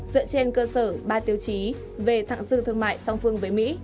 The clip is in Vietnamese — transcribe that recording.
dựa trên cơ sở ba tiêu chí về thẳng dư thương mại song phương với mỹ